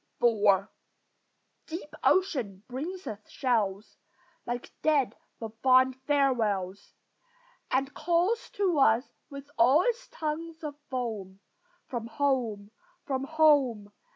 IV Deep ocean brings us shells, Like dead but fond farewells, And calls to us with all its tongues of foam, "From home! from home!"